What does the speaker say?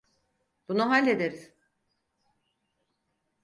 Bunu hallederiz.